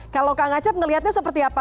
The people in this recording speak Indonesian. kalau kang acep melihatnya seperti apa